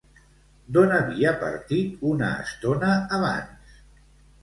D'on havia partit una estona abans?